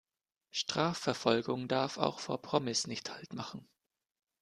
Strafverfolgung darf auch vor Promis nicht Halt machen.